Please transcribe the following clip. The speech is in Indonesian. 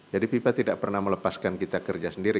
jadi fifa tidak pernah melepaskan kita kerja sendiri